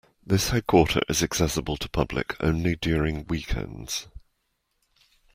This headquarter is accessible to public only during weekends.